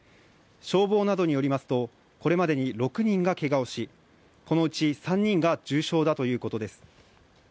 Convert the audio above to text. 消防などによりますと、これまでに６人がけがをし、このうち３人が重傷だということです。